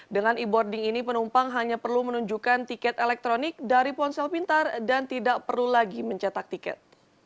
dengan e boarding ini penumpang hanya perlu menunjukkan tiket elektronik dari ponsel pintar dan tidak perlu lagi mencetak tiket